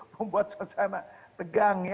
membuat suasana tegang